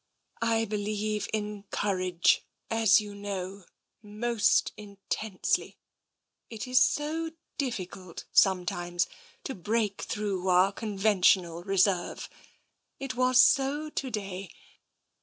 " I believe in courage, as you know, most intensely. It is so difficult, sometimes, to break through our con ventional reserve. It was so to day.